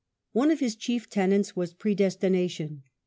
One of his chief tenets was " Predestination".